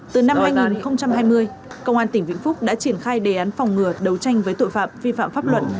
từ năm hai nghìn hai mươi công an tỉnh vĩnh phúc đã triển khai đề án phòng ngừa đấu tranh với tội phạm vi phạm pháp luật